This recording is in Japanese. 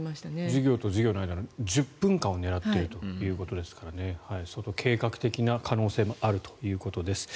授業と授業の間の１０分間を狙っているということですから相当、計画的な可能性もあるということです。